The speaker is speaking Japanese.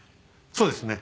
そうですね。